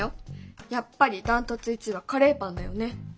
やっぱり断トツ１位はカレーパンだよね。